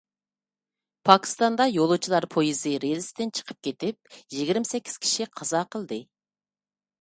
پاكىستاندا يولۇچىلار پويىزى رېلىستىن چىقىپ كېتىپ، يىگىرمە سەككىز كىشى قازا قىلدى.